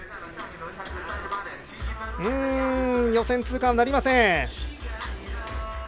予選通過はなりません。